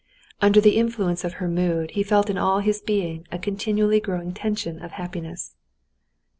Under the influence of her mood he felt in all his being a continually growing tension of happiness.